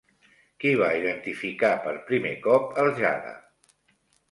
Qui va identificar per primer cop el jade?